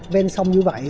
bên sông như vậy